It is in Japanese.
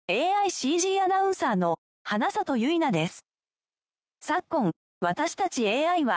ＡＩＣＧアナウンサーの花里ゆいなです。